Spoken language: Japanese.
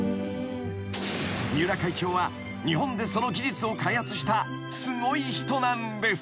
［三浦会長は日本でその技術を開発したすごい人なんです］